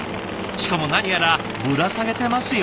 しかも何やらぶら下げてますよ。